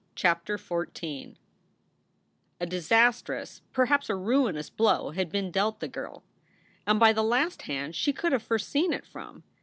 CHAPTER XIV A DISASTROUS, perhaps a ruinous, blow had been dealt the girl. And by the last hand she could have foreseen it from.